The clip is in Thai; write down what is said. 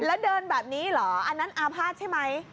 แล้วเดินแบบนี้เหรออันนั้นอาภาษณ์ใช่ไหม